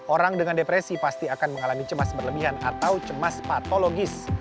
orang dengan depresi pasti akan mengalami cemas berlebihan atau cemas patologis